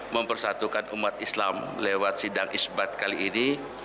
mempersatukan umat islam lewat sidang isbat kali ini